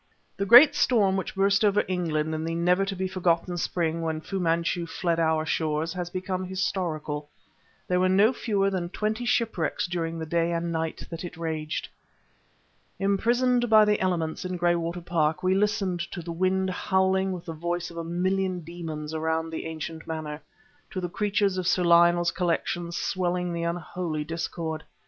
The great storm which burst over England in the never to be forgotten spring when Fu Manchu fled our shores has become historical. There were no fewer than twenty shipwrecks during the day and night that it raged. Imprisoned by the elements in Graywater Park, we listened to the wind howling with the voice of a million demons around the ancient manor, to the creatures of Sir Lionel's collection swelling the unholy discord.